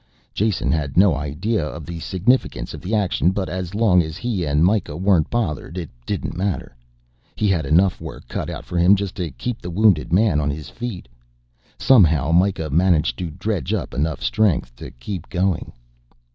Jason had no idea of the significance of the action, but as long as he and Mikah weren't bothered it didn't matter: he had enough work cut out for him just to keep the wounded man on his feet. Somehow Mikah managed to dredge up enough strength to keep going.